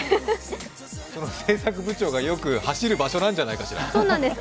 その制作部長がよく走る場所なんじゃないでしょうか。